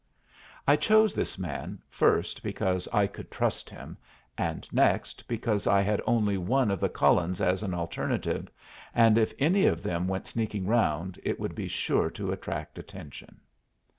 I chose this man, first, because I could trust him, and next, because I had only one of the Cullens as an alternative, and if any of them went sneaking round, it would be sure to attract attention.